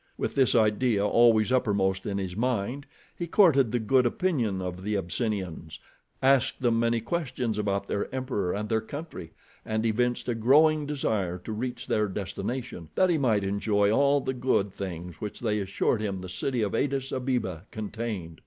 With this idea always uppermost in his mind, he courted the good opinion of the Abyssinians, asked them many questions about their emperor and their country, and evinced a growing desire to reach their destination, that he might enjoy all the good things which they assured him the city of Adis Abeba contained.